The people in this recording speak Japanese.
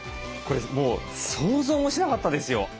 これもう想像もしなかったですよ。